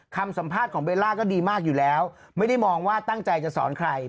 คำสัมภาษณ์ของเบลล่าก็ดีมากอยู่แล้วไม่ได้มองว่าตั้งใจจะสอนใคร